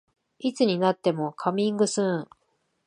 いつになってもカミングスーン